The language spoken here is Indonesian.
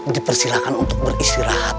dipersilakan untuk beristirahat